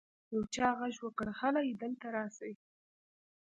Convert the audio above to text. يو چا ږغ وکړ هلئ دلته راسئ.